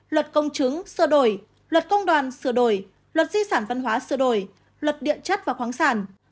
luật công chứng sửa đổi luật công đoàn sửa đổi luật di sản văn hóa sửa đổi luật điện chất và khoáng sản